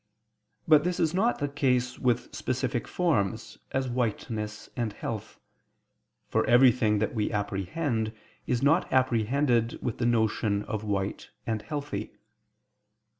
But this is not the case with specific forms, as whiteness and health; for everything that we apprehend, is not apprehended with the notion of white and healthy.